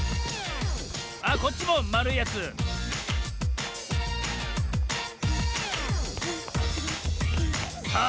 あっこっちもまるいやつさあ